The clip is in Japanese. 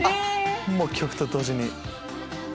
もう曲と同時に。